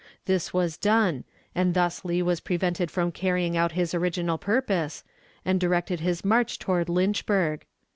This was done, and thus Lee was prevented from carrying out his original purpose, and directed his march toward Lynchburg.